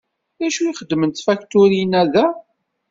D acu i xeddment tfakturin-a da?